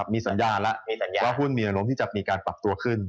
มีสัญญาณแล้วว่าหุ้นมีอนุมที่จะมีการปรับตัวขึ้น